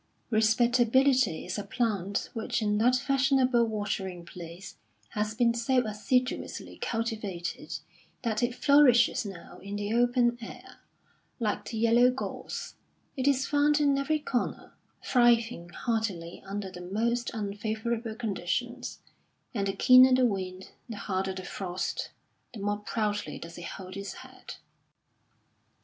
Respectability is a plant which in that fashionable watering place has been so assiduously cultivated that it flourishes now in the open air; like the yellow gorse, it is found in every corner, thriving hardily under the most unfavourable conditions; and the keener the wind, the harder the frost, the more proudly does it hold its head.